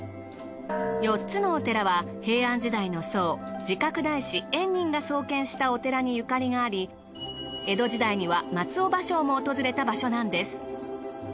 ４つのお寺は平安時代の僧慈覚大師円仁が創建したお寺にゆかりがあり江戸時代には松尾芭蕉も訪れた場所なんです。